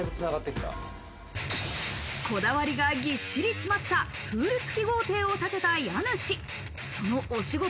こだわりがぎっしり詰まったプール付き豪邸を建てた家主。